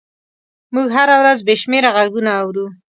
موږ هره ورځ بې شمېره غږونه اورو.